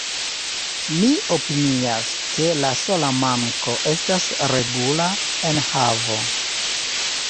Mi opinias, ke la sola manko estas regula enhavo.